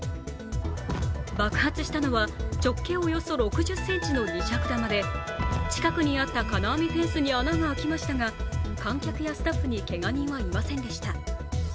爆発したのは直径およそ６０ｃｍの２尺玉で近くにあった金網フェンスに穴が開きましたが観客やスタッフにけが人はいませんでした。